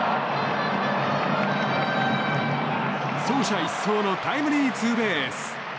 走者一掃のタイムリーツーベース。